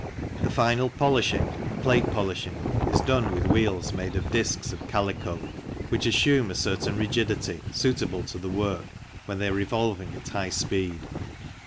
The final polishing (plate polishing) is done with wheels made of discs of calico, which assume a certain rigidity suitable to the work when they are revolving at high speed.